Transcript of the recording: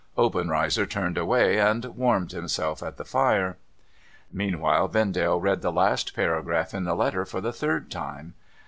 Obenreizer turned away, and warmed himself at the fire. Meanwhile, Vendale read the last paragraph in the letter for the third time.